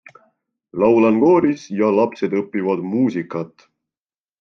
Laulan kooris ja lapsed õpivad muusikat.